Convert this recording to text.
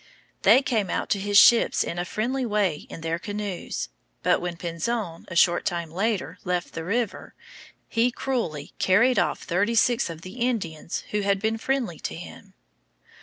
They came out to his ships in a friendly way in their canoes. But when Pinzon, a short time later, left the river, he cruelly carried off thirty six of the Indians who had been friendly to him.